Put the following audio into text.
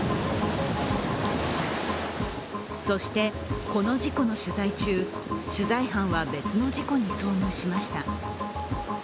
そして、この事故の取材中、取材班は別の事故に遭遇しました。